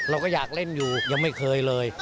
เราก็อยากเล่นอยู่ยังไม่เคยเลย